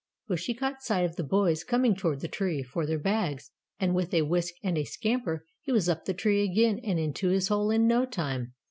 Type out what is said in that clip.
Bushy caught sight of the boys coming toward the tree for their bags, and with a whisk and a scamper he was up the tree again and into his hole in no time.